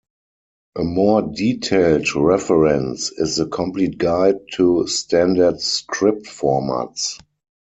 A more detailed reference is "The Complete Guide to Standard Script Formats".